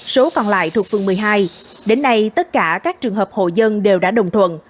số còn lại thuộc phường một mươi hai đến nay tất cả các trường hợp hộ dân đều đã đồng thuận